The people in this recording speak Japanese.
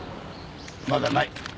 まだない。